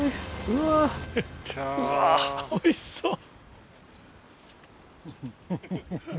うわおいしそう。